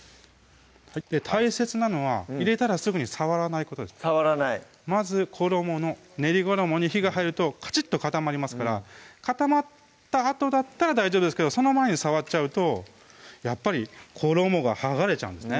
大切なのは入れたらすぐに触らないことです触らないまず練り衣に火が入るとカチッと固まりますから固まったあとだったら大丈夫ですけどその前に触っちゃうとやっぱり衣が剥がれちゃうんですね